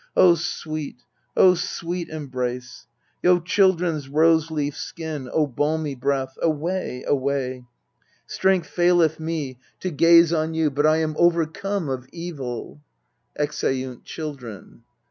O sweet, O sweet embrace! O children's rose leaf skin, O balmy breath ! Away, away ! Strength faileth me to gaze 2/8 EURIPIDES On you, but I am overcome of evil. \Excnnt CHILDREN.